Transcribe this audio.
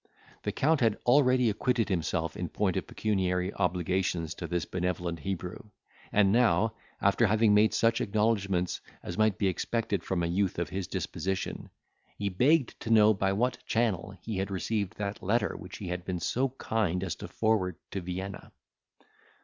The Count had already acquitted himself in point of pecuniary obligations to this benevolent Hebrew; and now, after having made such acknowledgments as might be expected from a youth of his disposition, he begged to know by what channel he had received that letter which he had been so kind as to forward to Vienna.